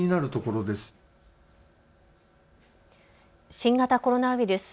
新型コロナウイルス。